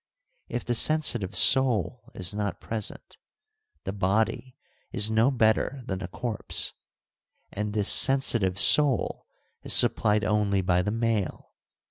If the sensitive soul is not present, the body is no better than a corpse, and this sensitive soul is supplied only by the male.